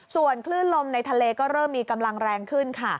ส่วนคลื่นลมในทะเลก็เริ่มมีกำลังแรงขึ้นค่ะ